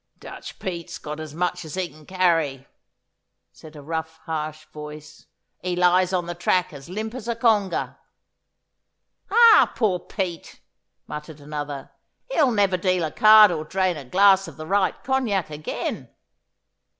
'Dutch Pete's got as much as he can carry,' said a rough, harsh voice. 'He lies on the track as limp as a conger.' 'Ah, poor Pete!' muttered another. 'He'll never deal a card or drain a glass of the right Cognac again.